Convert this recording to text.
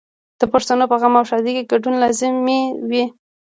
د پښتنو په غم او ښادۍ کې ګډون لازمي وي.